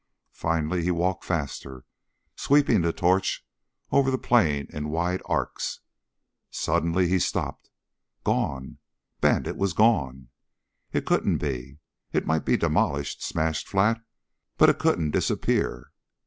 Finally he walked faster, sweeping the torch over the plain in wide arcs. Suddenly he stopped. Gone! Bandit was gone! It couldn't be. It might be demolished, smashed flat, but it couldn't disappear.